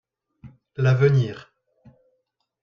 L'avenir.